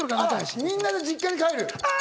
みんなで実家に帰る。